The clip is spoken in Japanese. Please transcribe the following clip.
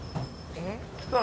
えっ？